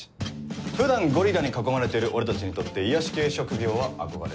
普段ゴリラに囲まれてる俺たちにとって癒やし系職業は憧れ。